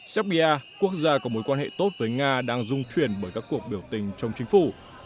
serbia quốc gia có mối quan hệ tốt với nga đang dung chuyển bởi các cuộc biểu tình trong chính phủ